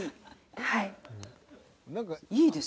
はい。